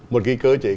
một cái cơ chế